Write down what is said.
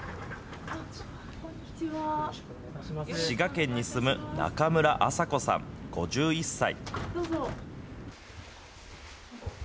滋賀県に住む中村麻子さん５１歳。